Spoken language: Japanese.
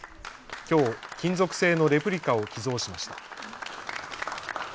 きょう金属製のレプリカを寄贈しました。